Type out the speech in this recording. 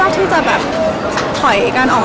ที่จะตอบ